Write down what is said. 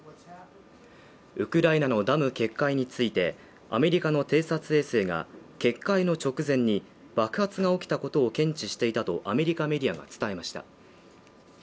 ウクライナのダム決壊について、アメリカの偵察衛星が決壊の直前に爆発が起きたことを検知していたとアメリカメディアが伝えました。